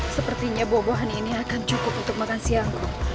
sepertinya boboan ini akan cukup untuk makan siangku